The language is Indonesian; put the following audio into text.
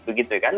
begitu ya kan